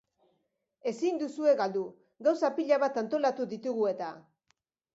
Ezin duzue galdu, gauza pila bat antolatu ditugu eta!